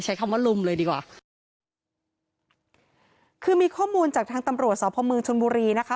คำว่าลุมเลยดีกว่าคือมีข้อมูลจากทางตำรวจสพเมืองชนบุรีนะคะ